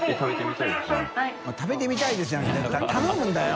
食べてみたいです」じゃない頼むんだよ！